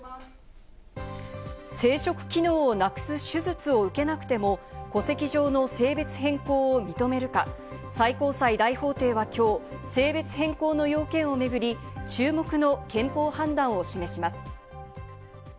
生殖機能をなくす手術を受けなくても戸籍上の性別変更を認めるか最高裁大法廷はきょう、性別変更の要件を巡り、注目の憲法判断を示します。